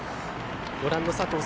ご覧の佐藤早